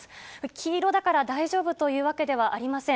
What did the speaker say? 黄色だから大丈夫というわけではありません。